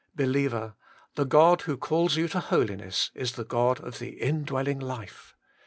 Believer ! the God who calls you to holiness is the God of the Indwelling Life.